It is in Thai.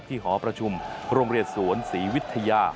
หอประชุมโรงเรียนสวนศรีวิทยา